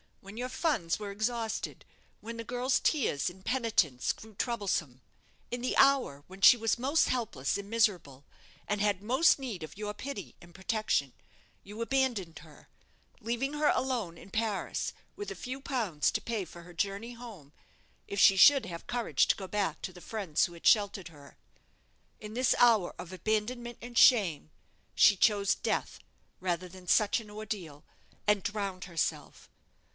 When your funds were exhausted, when the girl's tears and penitence grew troublesome in the hour when she was most helpless and miserable, and had most need of your pity and protection, you abandoned her, leaving her alone in Paris, with a few pounds to pay for her journey home, if she should have courage to go back to the friends who had sheltered her. In this hour of abandonment and shame, she chose death rather than such an ordeal, and drowned herself."